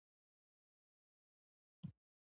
د ښار ټولو برخو ته ترې وړې ویالې تللې وې.